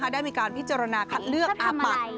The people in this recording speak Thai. ได้มีการพิจารณาคัดเลือกอาปัตย์